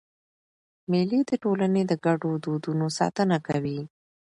مېلې د ټولني د ګډو دودونو ساتنه کوي.